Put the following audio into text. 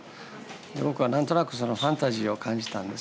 僕は何となくファンタジーを感じたんです。